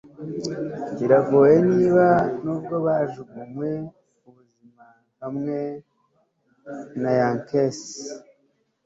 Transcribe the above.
Biragoye niba nubwo bajugunywe ubuzima hamwe na Yankees